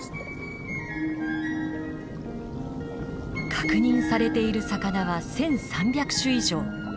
確認されている魚は１，３００種以上。